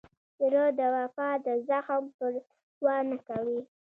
زړه د وفا د زخم پروا نه کوي.